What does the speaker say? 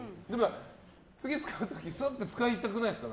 次使う時にすって使いたくないですか？